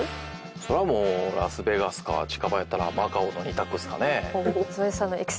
そりゃもうラスベガスか近場やったらマカオの２択っすかね。